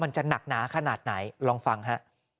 หนักหนาขนาดไหนลองฟังฮะ